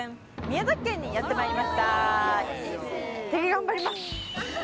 宮崎県にやってまいりました。